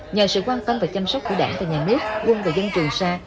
nhờ sự quan tâm và chăm sóc của đảng và nhà nước quân và dân trường xa